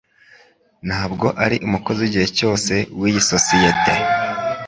Ntabwo ari umukozi wigihe cyose wiyi sosiyete.